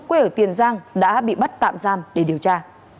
quê ở tiền giang đã bị bắt tạm giam để điều tra